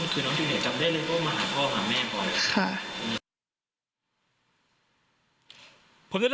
คือน้องจูเนียจำได้เลยว่ามาหาพ่อหาแม่บ่อย